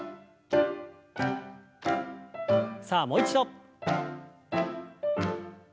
さあもう一度。